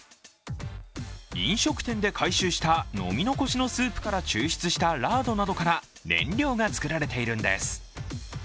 飲食店で回収した飲み残しのスープから抽出したラードなどから燃料が作られているんです。